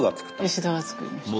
吉田が作りました。